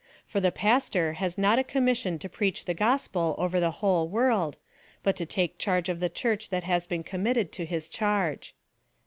For the Pastor has not a commission to preach the gospel over the whole world, but to take care of the Church that has been committed to his charge.